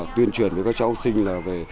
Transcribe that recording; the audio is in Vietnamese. tuyên truyền với các cháu học sinh về